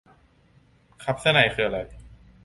คัพเสื้อในคืออะไร